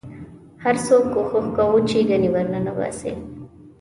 هر څوک کوښښ کاوه چې ګنې ورننه باسي.